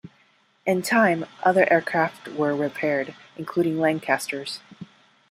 In time other aircraft were repaired, including Lancasters.